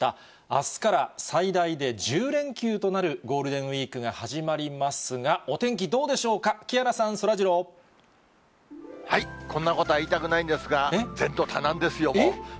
あすから最大で１０連休となるゴールデンウィークが始まりますが、お天気どうでしょうか、木原さん、そらジロー。こんなことは言いたくないんですが、前途多難ですよ、もう。